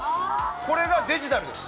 これがデジタルです。